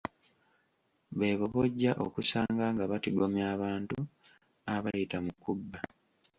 Beebo b’ojja okusanga nga batigomya abantu abayita mu kubba.